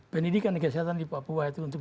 pendidikan dan kesehatan di papua itu untuk